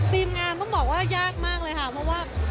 ทีมงานต้องบอกว่ายากมากเลยค่ะเพราะว่า